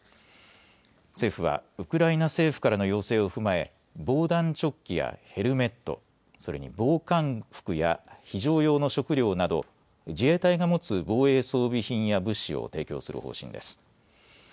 政府はウクライナ政府からの要請を踏まえ防弾チョッキやヘルメット、それに防寒服や非常用の食料など自衛隊が持つ防衛装備品や物資を提供する方針です。